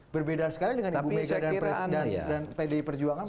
berbeda sekali dengan pd perjuangan